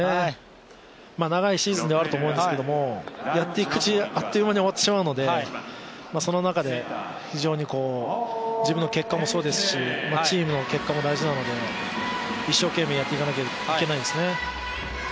長いシーズンではあると思うんですけれども、やっていくうちにあっという間に終わってしまうので、その中で非常に自分の結果もそうですしチームの結果も大事ですし一生懸命やっていかなきゃいけないですね。